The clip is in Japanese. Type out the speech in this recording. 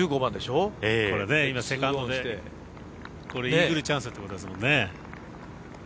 今、セカンドでイーグルチャンスってことですもんね。